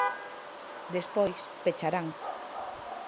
Despois, pecharán.